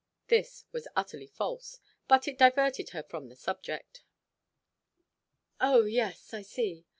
This was utterly false; but it diverted her from the subject. "Oh, yes, I see.